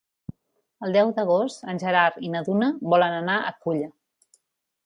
El deu d'agost en Gerard i na Duna volen anar a Culla.